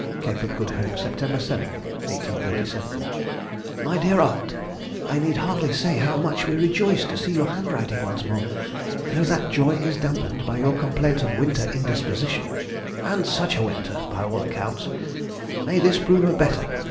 CAPE OF GOOD HOPE, Sept. 7, 1837. MY DEAR AUNT,— I need hardly say how much we are rejoiced to see your handwriting once more, though that joy is damped by your complaints of winter indisposition. And such a winter! by all accounts. May this prove a better!